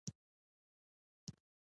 لاسونه د ماشوم ارام ځای دی